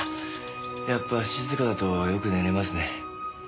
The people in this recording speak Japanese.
やっぱ静かだとよく寝れますね。